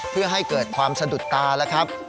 เพื่อให้เกิดความสะดุดตาแล้วครับ